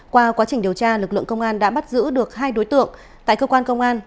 qua quá trình điều tra lực lượng công an đã bắt giữ được hai đối tượng tại cơ quan công an